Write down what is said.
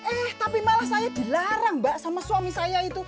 eh tapi malah saya dilarang mbak sama suami saya itu